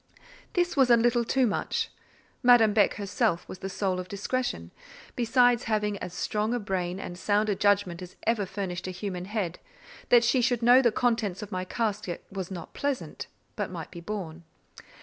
This was a little too much. Madame Beck herself was the soul of discretion, besides having as strong a brain and sound a judgment as ever furnished a human head; that she should know the contents of my casket, was not pleasant, but might be borne.